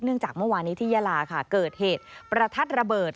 จากเมื่อวานี้ที่ยาลาค่ะเกิดเหตุประทัดระเบิด